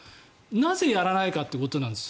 なぜ、やらないかということなんです。